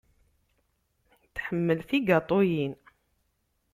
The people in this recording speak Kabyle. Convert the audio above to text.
Tḥemmel tigaṭuyin.